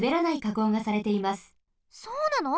そうなの？